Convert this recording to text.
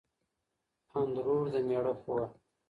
اندرور د مېړه خور